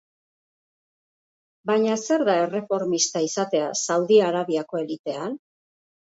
Baina zer da erreformista izatea Saudi Arabiako elitean?